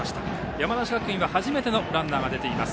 山梨学院は初めてのランナーが出ています。